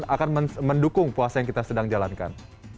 akan mendukung puasa yang kita sedang jalankan